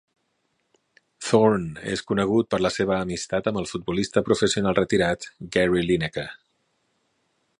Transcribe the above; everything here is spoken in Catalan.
Thorne és conegut per la seva amistat amb el futbolista professional retirat Gary Lineker.